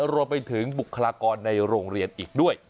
รวมไปถึงบุคลากรในโรงเรียนอีกด้วย